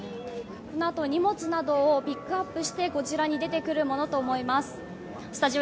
このあと荷物などをピックアップしてこちらに出てくるものと思います。